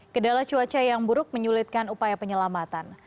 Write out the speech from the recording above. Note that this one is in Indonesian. kedala cuaca yang buruk menyulitkan upaya penyelamatan